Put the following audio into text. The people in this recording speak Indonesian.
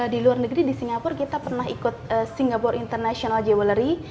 di luar negeri di singapura kita pernah ikut singapore international jewelry